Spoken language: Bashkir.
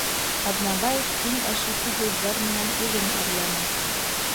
Ҡаҙнабаев иң әшәке һүҙҙәр менән үҙен әрләне